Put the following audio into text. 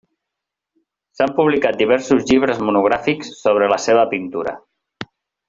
S'han publicat diversos llibres monogràfics sobre la seva pintura.